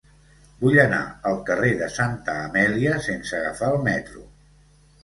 Vull anar al carrer de Santa Amèlia sense agafar el metro.